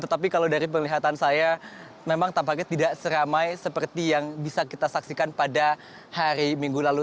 tetapi kalau dari penglihatan saya memang tampaknya tidak seramai seperti yang bisa kita saksikan pada hari minggu lalu